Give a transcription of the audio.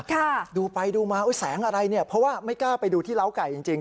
ค่ะดูไปดูมาอุ๊ยแสงอะไรเนี่ยเพราะว่าไม่กล้าไปดูที่เล้าไก่จริงจริง